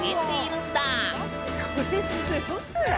これすごくない？